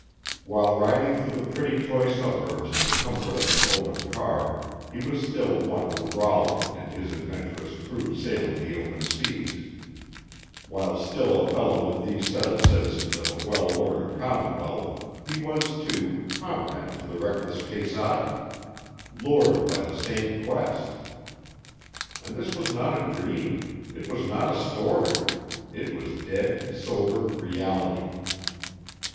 While riding through the pretty toy suburbs in the comfort of an open car, he was still one with Raleigh and his adventurous crew sailing the open seas; while still a fellow with these settled citizens of a well ordered Commonwealth, he was, too, comrade to the reckless Quesada lured by the same quest. And this was not a dream it was not a story it was dead, sober reality.